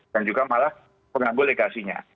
dan juga malah penganggul legasinya